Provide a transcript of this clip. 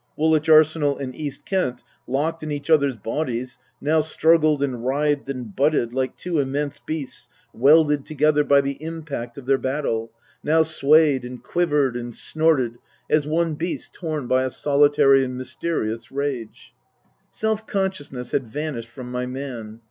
Woolwich Arsenal and East Kent, locked in each other's bodies, now struggled and writhed and butted like two immense beasts welded together Tasker Jevons by the impact of their battle, now swayed and quivered and snorted as one beast torn by a solitary and mysterious rage. Self consciousness had vanished from my man.